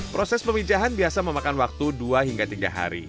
proses pemijahan biasa memakan waktu dua hingga tiga hari